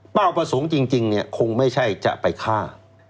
เป้าประสงค์จริงคงไม่ใช่จะไปฆ่า